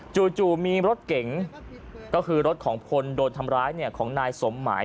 จู่มีรถเก๋งก็คือรถของคนโดนทำร้ายของนายสมหมาย